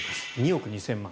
２億２０００万。